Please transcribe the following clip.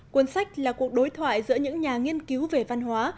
cuốn sách là cuộc đối thoại giữa những nhà nghiên cứu về văn hóa